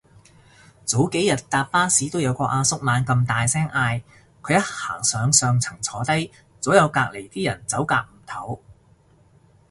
早幾日搭巴士都有個阿叔猛咁大聲嗌，佢一行上上層坐低，左右隔離啲人走夾唔唞